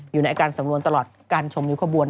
อยู่ในอาการสำนวนตลอดการชมริ้วขบวน